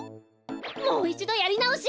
もういちどやりなおし！